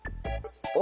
お！